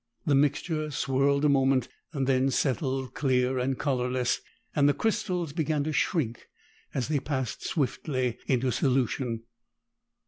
The mixture swirled a moment, then settled clear and colorless, and the crystals began to shrink as they passed swiftly into solution.